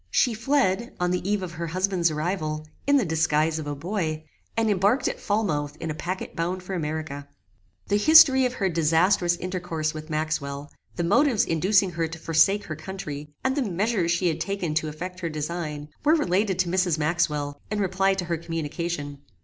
She fled, on the eve of her husband's arrival, in the disguise of a boy, and embarked at Falmouth in a packet bound for America. The history of her disastrous intercourse with Maxwell, the motives inducing her to forsake her country, and the measures she had taken to effect her design, were related to Mrs. Maxwell, in reply to her communication.